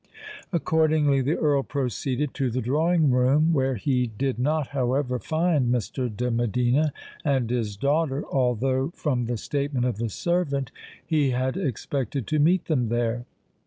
Accordingly, the Earl proceeded to the drawing room, where he did not, however, find Mr. de Medina and his daughter, although, from the statement of the servant, he had expected to meet them there.